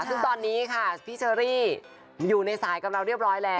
ซึ่งตอนนี้ค่ะพี่เชอรี่อยู่ในสายกับเราเรียบร้อยแล้ว